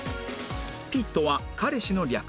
「ピ」とは彼氏の略